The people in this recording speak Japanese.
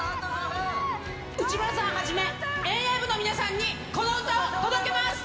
内村さんをはじめ遠泳部の皆さんにこの歌を届けます。